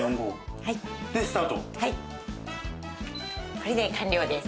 これで完了です。